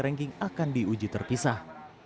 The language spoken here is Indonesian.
ranking akan diuji terpisah